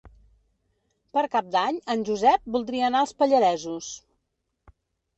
Per Cap d'Any en Josep voldria anar als Pallaresos.